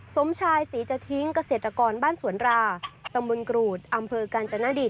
สมชายศรีจะทิ้งเกษตรกรบ้านสวนราตำบลกรูดอำเภอกาญจนดิต